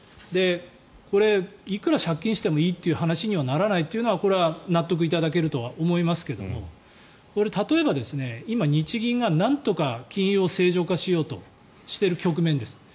これ、いくら借金してもいいという話にはならないというのはこれは納得いただけるとは思いますけども例えば今、日銀がなんとか金利を正常化しようとしている局面です。